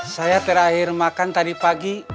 saya terakhir makan tadi pagi